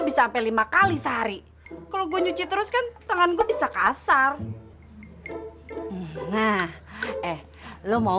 bisa sampai lima kali sehari kalau gue nyuci terus kan tangan gue bisa kasar nah eh lo mau